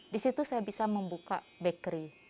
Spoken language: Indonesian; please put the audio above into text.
disitu saya bisa membuka bakery